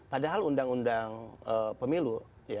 padahal undang undang pemilu